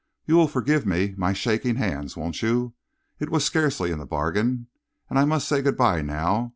You will forgive my shaking hands, won't you? It was scarcely in the bargain. And I must say good by now.